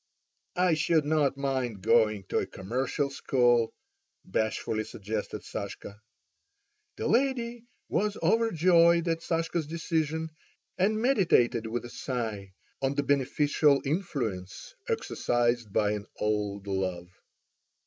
"I should not mind going to a commercial school," bashfully suggested Sashka. The lady was overjoyed at Sashka's decision, and meditated with a sigh on the beneficial influence exercised by an old love.